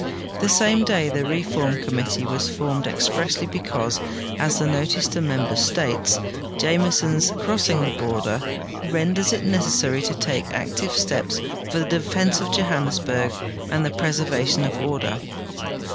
The same day the reform committee was formed expressly because, as the notice to members states, Jameson's crossing the border '' renders it necessary to take active steps for the defense of Johannesburg and the jireservation of order."